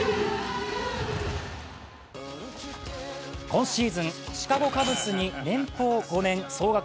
今シーズン、シカゴ・カブスに年俸５年、総額